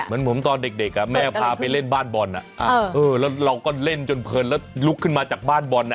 เหมือนผมตอนเด็กแม่พาไปเล่นบ้านบอลแล้วเราก็เล่นจนเพลินแล้วลุกขึ้นมาจากบ้านบอล